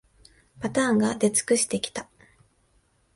パターンが出尽くしてきた